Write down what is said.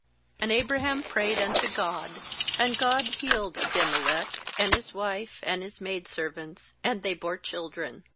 17And Abraham prayed unto God; and God healed Abimelech, and his wife, and tiis maid servants; and they bore children.